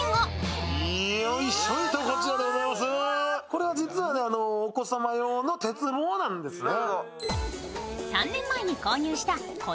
これはお子様用の鉄棒なんですね。